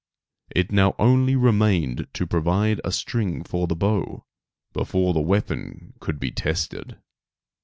It now only remained to provide a string for the bow, before the weapon could be tested.